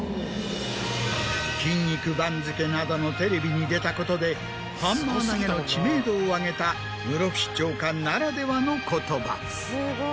『筋肉番付』などのテレビに出たことでハンマー投の知名度を上げた室伏長官ならではの言葉。